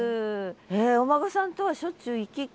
お孫さんとはしょっちゅう行き来。